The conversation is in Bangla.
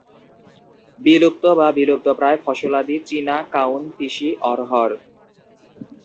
বিলুপ্ত বা বিলুপ্তপ্রায় ফসলাদি চিনা, কাউন, তিসি, অড়হর।